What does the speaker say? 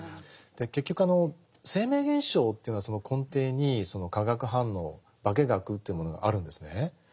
結局生命現象というのはその根底にその化学反応化け学というものがあるんですね。